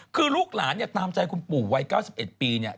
คือลูกหลานเนี่ยตามใจคุณปู่วัย๙๑ปีเนี่ย